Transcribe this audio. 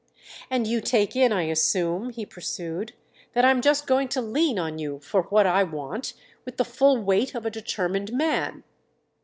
"And you take in, I assume," he pursued, "that I'm just going to lean on you, for what I want, with the full weight of a determined man."